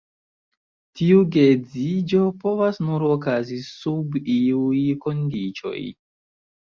Tiu geedziĝo povas nur okazi sub iuj kondiĉoj.